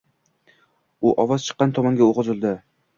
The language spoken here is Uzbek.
U ovoz chiqqan tomonga o’q uzdi.